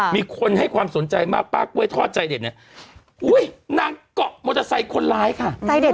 มีคนให้ความสนใจมากป้ากล้วยทอดใจเด็ดเนี่ยอุ้ยนางเกาะมอเตอร์ไซค์คนร้ายค่ะใจเด็ด